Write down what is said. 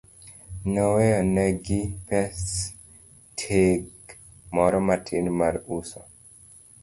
Noweyo ne gi pasenteg moro matin mar uso.